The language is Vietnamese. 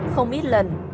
không ít lần